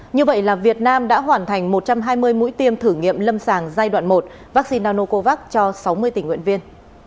như vậy là việt nam đã hoàn thành một trăm hai mươi mũi tiêm thử nghiệm lâm sàng giai đoạn một vaccine nanocovax cho sáu mươi tình nguyện viên